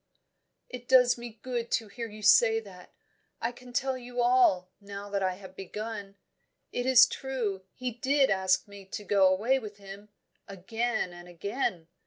"It does me good to hear you say that! I can tell you all, now that I have begun. It is true, he did ask me to go away with him, again and again.